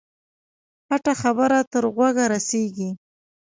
پټه خبره تر غوږه رسېږي.